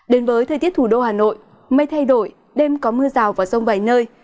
đến với thời tiết thủ đô hà nội mây thay đổi đêm có mưa rào vào sông vài nơi